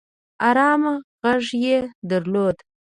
ارامه غږ يې درلود